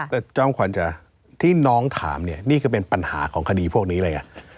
แต่เจ้าหน้าขวัญจ้าที่น้องถามเนี่ยนี่ก็เป็นปัญหาของคดีพวกนี้เลยอะ